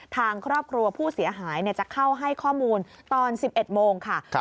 ทางครอบครัวผู้เสียหายจะเข้าให้ข้อมูลตอน๑๑โมงค่ะ